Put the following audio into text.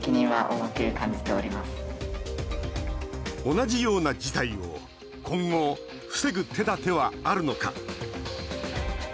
同じような事態を今後、防ぐ手だてはあるのか。